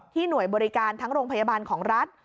หน่วยบริการทั้งโรงพยาบาลของรัฐ